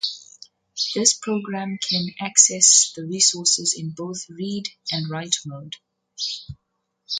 This program can access the resources in both read and write mode.